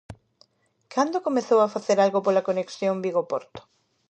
¿Cando comezou a facer algo pola conexión Vigo-Porto?